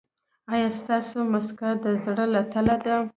ایا ستاسو مسکا د زړه له تله ده؟